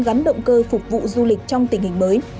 gắn động cơ phục vụ du lịch trong tình hình mới